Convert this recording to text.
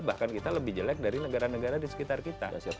bahkan kita lebih jelek dari negara negara di sekitar kita